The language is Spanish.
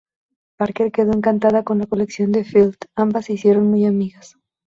Parker quedó encantada con las colecciones de Field, ambas se hicieron muy amigas.